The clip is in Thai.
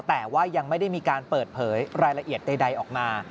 แต่ว่ายังไม่ได้มีการเปิดเผยรายละเอียดใดออกมา